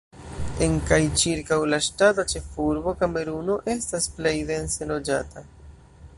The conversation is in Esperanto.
En kaj ĉirkaŭ la ŝtata ĉefurbo Kameruno estas plej dense loĝata.